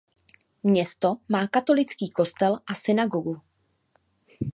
Město má katolický kostel a synagogu.